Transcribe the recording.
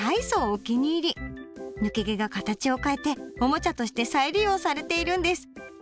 抜け毛が形を変えておもちゃとして再利用されているんです。